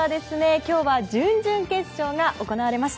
今日は準々決勝が行われました。